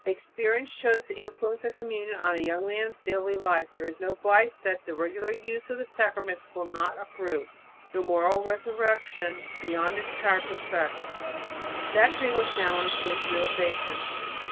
Experience shows the influence of communion on a young man's daily life. There is no vice that the regular use of the sacraments will not uproot, no moral resurrection beyond its power to effect." That dream was now on its way to realization.